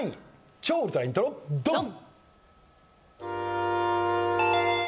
超ウルトライントロドン！